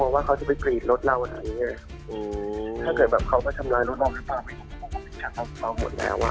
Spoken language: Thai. กลัวว่าเขาจะไปปรีดรถเราอย่างนี้ถ้าเกิดเขาก็ชำนาญรถเราทั้งหมดแล้ว